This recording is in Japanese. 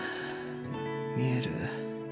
見える。